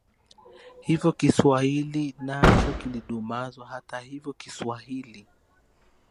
Hivyo Kiswahili nacho kilidumazwa Hata hivyo Kiswahili